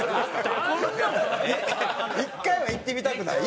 １回１回は行ってみたくない？